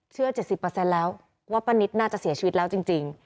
๗๐แล้วว่าป้านิตน่าจะเสียชีวิตแล้วจริง